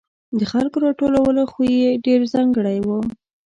د خلکو راټولولو خوی یې ډېر ځانګړی و.